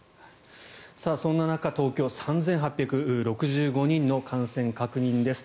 そんな中、東京３８６５人の感染確認です。